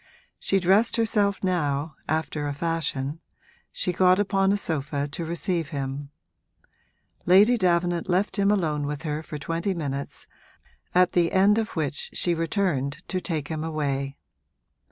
She dressed herself now, after a fashion; she got upon a sofa to receive him. Lady Davenant left him alone with her for twenty minutes, at the end of which she returned to take him away.